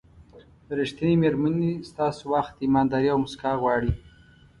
ریښتینې مېرمنې ستاسو وخت، ایمانداري او موسکا غواړي.